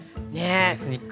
エスニック。